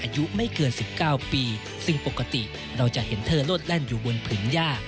ซึ่งปกติเราจะเห็นเธอโลดแร่นอยู่บนผลิงหญ้า